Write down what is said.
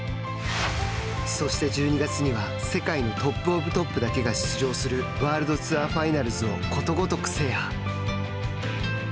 そして１２月には世界のトップ・オブ・トップだけが出場するワールドツアーファイナルズをことごとく制覇。